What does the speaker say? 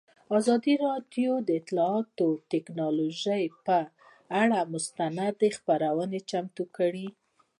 ازادي راډیو د اطلاعاتی تکنالوژي پر اړه مستند خپرونه چمتو کړې.